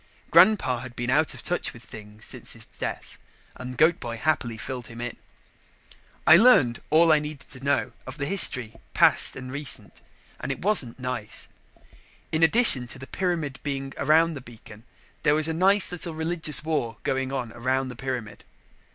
Grandpa had been out of touch with things since his death and Goat boy happily filled him in. I learned all I needed to know of the history, past and recent, and it wasn't nice. In addition to the pyramid being around the beacon, there was a nice little religious war going on around the pyramid.